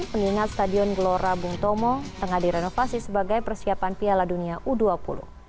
pengingat stadion gelora bung tomo tengah direnovasi sebagai persiapan piala dunia u dua puluh